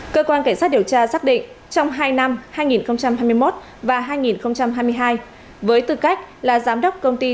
cơ quan cảnh sát điều tra xác định trong hai năm hai nghìn hai mươi một và hai nghìn hai mươi hai với tư cách là giám đốc công ty